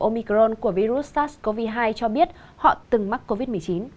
omicron của virus sars cov hai cho biết họ từng mắc covid một mươi chín